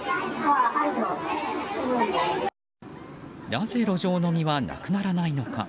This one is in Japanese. なぜ路上飲みはなくならないのか。